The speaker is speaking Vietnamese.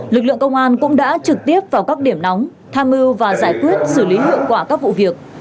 lực lượng công an cũng đã trực tiếp vào các điểm nóng tham mưu và giải quyết xử lý hiệu quả các vụ việc